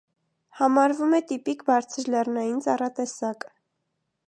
Համարվում է տիպիկ բարձրլեռնային ծառատեսակ։